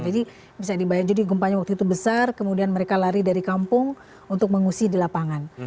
jadi bisa dibayar jadi gempanya waktu itu besar kemudian mereka lari dari kampung untuk mengusir di lapangan